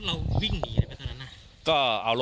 สนั่นเลยครับ